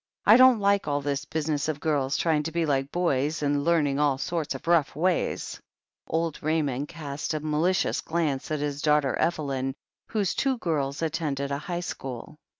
I don't like all this business of girls trying to be like boys, and learning all sorts of rough ways." Old Raymond cast a malicious glance at his daugh ter Evelyn, whose two girls attended a high school.